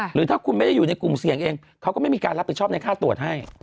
หรือถ้าคุณไม่ได้อยู่ในกลุ่มเสี่ยงเองเขาก็ไม่มีการรับผิดชอบในค่าตรวจให้